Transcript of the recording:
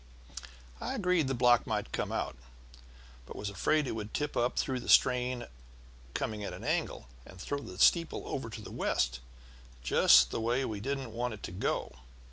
I agreed that the block might come out, but was afraid it would tip up through the strain coming at an angle, and throw the steeple over to the west, just the way we didn't want it to go.